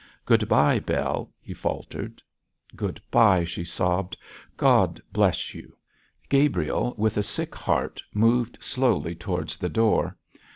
'Good bye, Bell!' he faltered. 'Good bye!' she sobbed. 'God bless you!' Gabriel, with a sick heart, moved slowly towards the door.